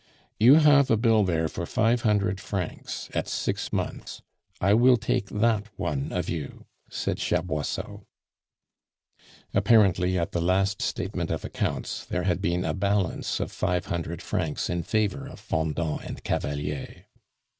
"You have a bill there for five hundred francs at six months; I will take that one of you," said Chaboisseau. Apparently at the last statement of accounts, there had been a balance of five hundred francs in favor of Fendant and Cavalier.